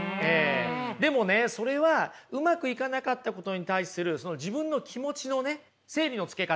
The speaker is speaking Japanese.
でもねそれはうまくいかなかったことに対する自分の気持ちのね整理のつけ方。